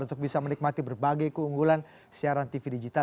untuk bisa menikmati berbagai keunggulan siaran tv digital